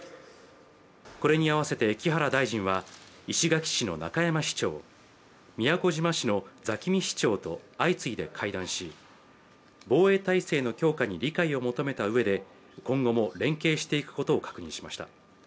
これに合わせて木原大臣は、石垣市の中山市長、宮古島市の座喜味市長と相次いで会談し防衛体制の強化に理解を求めたうえで今後も連携していくことを確認しました。